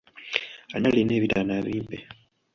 Ani alina ebitaano abimpe?